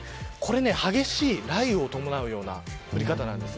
激しい雷雨を伴うような降り方です。